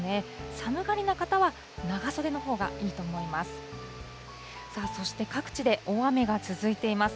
寒がりな方は、長袖のほうがいいと思います。